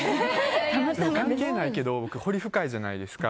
関係ないけど僕、彫り深いじゃないですか。